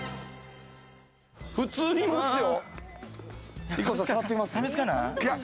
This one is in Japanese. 普通にいますよ。